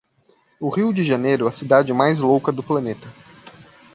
o rio de janeiro é a cidade mais louca do planeta